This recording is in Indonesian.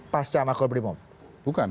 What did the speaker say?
pasca makrobrimob bukan